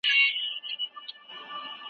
پانګوال نظام ته حدود وټاکئ.